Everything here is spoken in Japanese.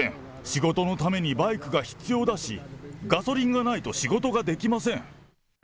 仕事のためにバイクが必要だし、ガソリンがないと仕事ができません。